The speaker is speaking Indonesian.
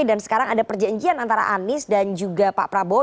dan sekarang ada perjanjian antara anies dan juga pak prabowo